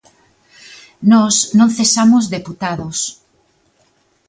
Nós non cesamos deputados.